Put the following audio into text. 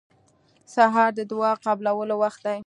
سهار د دعا قبولو وخت دی.